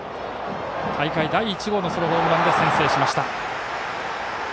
大会第１号のソロホームランで先制しました。